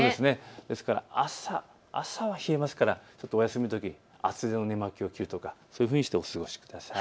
ですから朝は冷えますから、お休みのとき厚手の寝巻きを着るとかそういうふうにしてお過ごしください。